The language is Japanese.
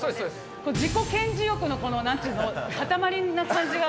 これ、自己顕示欲のなんていうの、塊な感じが。